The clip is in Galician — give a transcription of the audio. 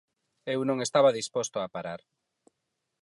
Eu non estaba disposto a parar.